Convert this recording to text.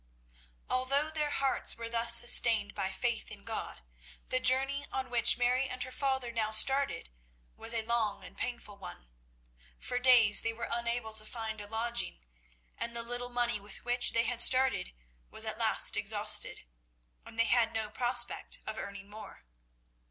Although their hearts were thus sustained by faith in God, the journey on which Mary and her father now started was a long and painful one. For days they were unable to find a lodging, and the little money with which they had started was at last exhausted, and they had no prospect of earning more.